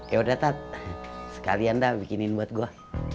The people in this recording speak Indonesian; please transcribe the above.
yaudah tat sekalian dah bikinin buat gua